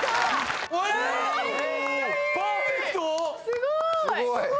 すごーい！